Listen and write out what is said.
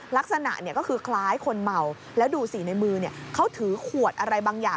ลักษณะก็คือคล้ายคนเมาแล้วดูสิในมือเขาถือขวดอะไรบางอย่าง